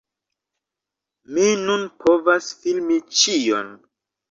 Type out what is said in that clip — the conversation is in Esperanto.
Mi nun povas filmi ĉion!